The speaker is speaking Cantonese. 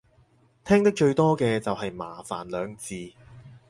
聽得最多嘅就係麻煩兩字